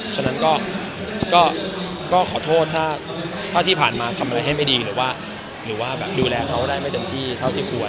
ฉะนั้นก็ขอโทษถ้าที่ผ่านมาทำอะไรให้ไม่ดีหรือว่าดูแลเค้าได้ไม่จำที่เท่าที่ควร